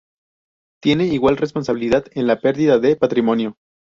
tienen igual responsabilidad en la perdida de patrimonio